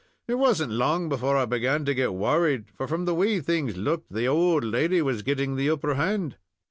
It wasn't long before I began to get worried, for, from the way things looked, the owld lady was getting the upper hand.